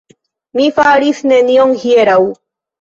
Mi faris nenion hieraŭ.